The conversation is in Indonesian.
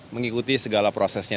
mengikuti segala prosesnya